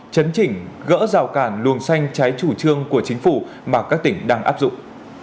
chấn chỉnh gỡ rào cản luồng xanh trái chủ trương của chính phủ mà các tỉnh đang áp dụng